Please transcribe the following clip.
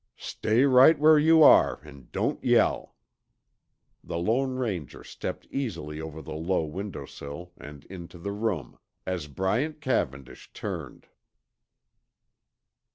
"Stay right where you are and don't yell." The Lone Ranger stepped easily over the low windowsill and into the room, as Bryant Cavendish turned.